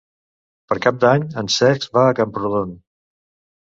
Per Cap d'Any en Cesc va a Camprodon.